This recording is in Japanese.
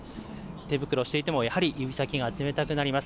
手袋していても、やはり指先が冷たくなります。